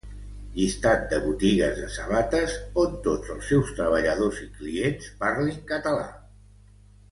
Llistat de botigues de sabates on tots els seus treballadors i clients parlin català